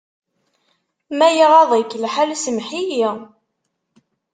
Ma iɣaḍ-ik lḥal, semmeḥ-iyi.